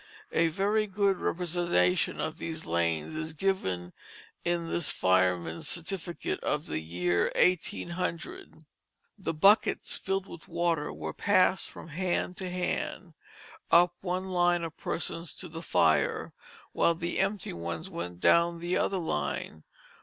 A very good representation of these lanes is given in this fireman's certificate of the year 1800. The buckets, filled with water, were passed from hand to hand, up one line of persons to the fire, while the empty ones went down the other line.